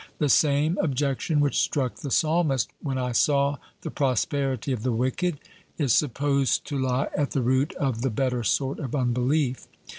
The same objection which struck the Psalmist 'when I saw the prosperity of the wicked' is supposed to lie at the root of the better sort of unbelief.